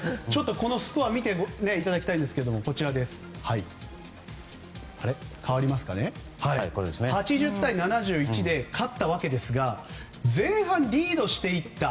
このスコアを見ていただきたいんですけども８０対７１で勝ったわけですが前半リードしていった。